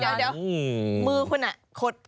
เดี๋ยวมือคุณขด